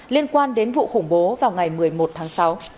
liên quan đến vụ khủng bố vào ngày một mươi một tháng sáu